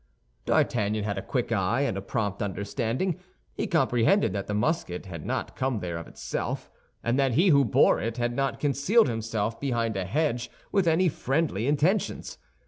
D'Artagnan had a quick eye and a prompt understanding. He comprehended that the musket had not come there of itself, and that he who bore it had not concealed himself behind a hedge with any friendly intentions.